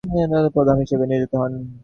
তিনি দাক্ষিণাত্যের প্রধান হিসেবে নিয়োজিত হন।